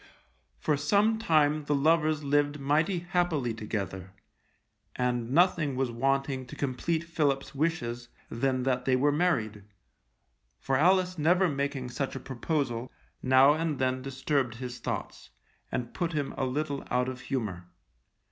For some time the lovers lived mighty happily together, and nothing was wanting to complete Philip's wishes than that they were married, for Alice never making such a proposal, now and then disturbed his thoughts, and put him a little out of humour.